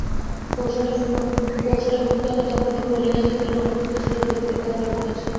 কৌশলে ভোটকেন্দ্র দখল ও পোলিং এজেন্টদের অনুপস্থিতির সুযোগ পুরোপুরি কাজে লাগানো হয়েছে।